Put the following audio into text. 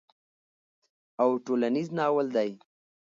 او ټولنيز ناول دی